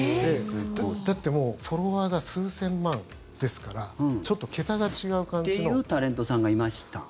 だってもうフォロワーが数千万ですからちょっと桁が違う感じの。っていうタレントさんがいました。